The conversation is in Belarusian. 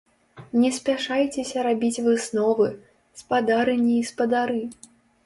Не спяшайцеся рабіць высновы, спадарыні і спадары!